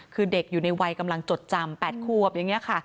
คือเด็กอยู่ในวัยกำลังจดจำ๘ควบอย่างนี้ค่ะ